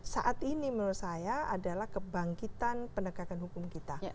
saat ini menurut saya adalah kebangkitan penegakan hukum kita